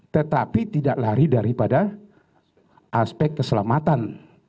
tetapi tidak lari daripada aspek keselamatan